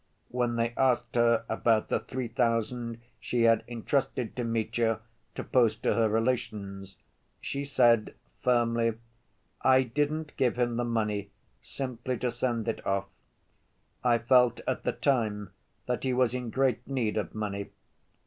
When they asked her about the three thousand she had entrusted to Mitya to post to her relations, she said firmly, "I didn't give him the money simply to send it off. I felt at the time that he was in great need of money....